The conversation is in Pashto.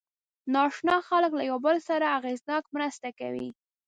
ناآشنا خلک له یو بل سره اغېزناکه مرسته کوي.